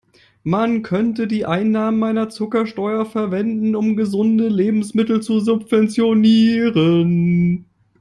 Man könnte die Einnahmen einer Zuckersteuer verwenden, um gesunde Lebensmittel zu subventionieren.